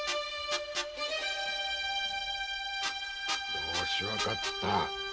よしわかった！